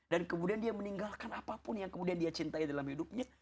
dan kemudian dia meninggalkan apapun yang kemudian dia cintai dalam hidupnya